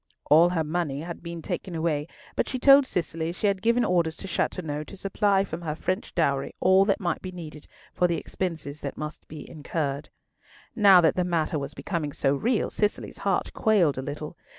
All her money had been taken away, but she told Cicely she had given orders to Chateauneuf to supply from her French dowry all that might be needed for the expenses that must be incurred. Now that the matter was becoming so real, Cicely's heart quailed a little.